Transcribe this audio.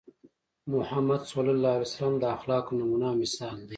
محمد ص د اخلاقو نمونه او مثال دی.